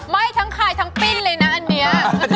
ทั้งคายทั้งปิ้นเลยนะอันนี้